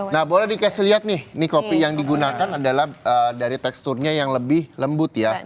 nah boleh dikasih lihat nih kopi yang digunakan adalah dari teksturnya yang lebih lembut ya